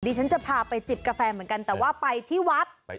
ฉันจะพาไปจิบกาแฟเหมือนกันแต่ว่าไปที่วัด